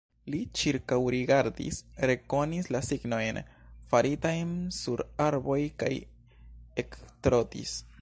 Li ĉirkaŭrigardis, rekonis la signojn, faritajn sur arboj kaj ektrotis.